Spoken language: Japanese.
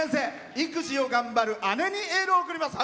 育児を頑張る姉にエールを送ります。